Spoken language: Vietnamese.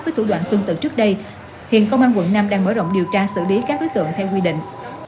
với thủ đoạn tương tự trước đây hiện công an quận năm đang mở rộng điều tra xử lý các đối tượng theo quy định